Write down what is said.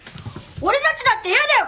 俺たちだって嫌だよ！